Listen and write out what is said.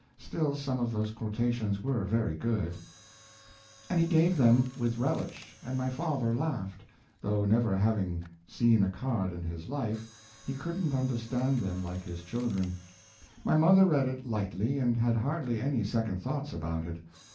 Still some of those quotations were very good"; and he gave them with relish and my father laughed, though never having seen a card in his life, he couldn't understand them like his children. My mother read it lightly and had hardly any second thoughts about it.